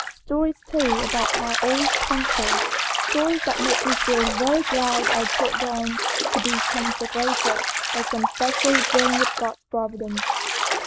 Stories too about my own country. Stories that made me feel the very ground I trod on to be consecrated by some special dealing of God's Providence."